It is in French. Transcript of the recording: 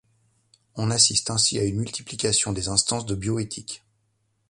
On assiste ainsi à une multiplication des instances de bioéthique.